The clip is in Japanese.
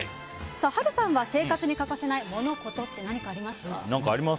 波瑠さんは生活に欠かせないモノ・コトって何かありますか？